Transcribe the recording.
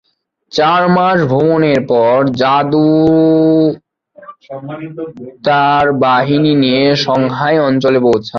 চার মাস ভ্রমণের পর জুদার তাঁর বাহিনী নিয়ে সংহাই অঞ্চলে পৌঁছেন।